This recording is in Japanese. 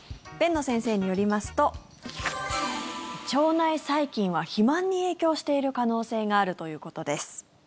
辨野先生によりますと腸内細菌は肥満に影響している可能性があるということです。